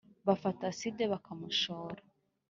bafata acide bakamushora